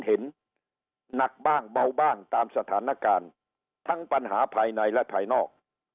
หนักบ้างเบาบ้างตามสถานการณ์ทั้งปัญหาภายในและภายนอก